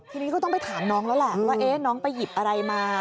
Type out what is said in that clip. ทีนี้ก็ต้องไปถามน้องแล้วแหละว่าน้องไปหยิบอะไรมา